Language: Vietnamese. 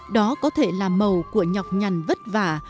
đó có thể là màu của nhọc nhằn vất vả